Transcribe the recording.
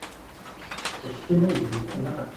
呼狗食家己